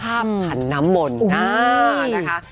ภาพขันน้ำหม่นนะคะ